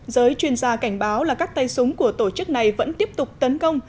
giới chuyên gia cảnh báo là các tay súng của tổ chức này vẫn tiếp tục tấn công